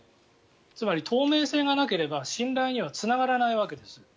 つまり透明性がなければ信頼にはつながらないわけです。